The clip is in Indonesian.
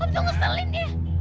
om tuh ngeselin ya